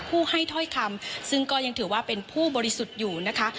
ผู้ให้ถ้อยคำซึ่งก็ยังถือว่าเป็นผู้บริสุทธิ์อยู่นะคะ